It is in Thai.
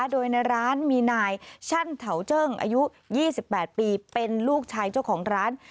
โดยในร้านมีนายชั่นเถาเจิ้งอายุ๒๘ปีเป็นลูกชายเจ้าของร้าน